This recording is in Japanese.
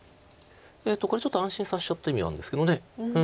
これちょっと安心させちゃった意味があるんですけど。